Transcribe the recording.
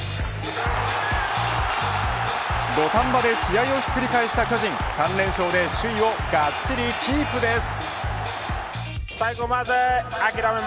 土壇場で試合をひっくり返した巨人３連勝で首位をがっちりキープです。